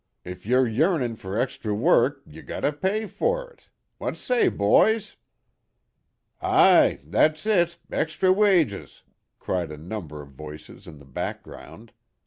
Ef you're yearnin' fer extry work you got to pay fer it. Wot say, boys?" "Aye! That's it. Extry wages," cried a number of voices in the background.